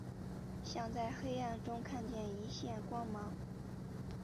像在黑暗中看见一线光芒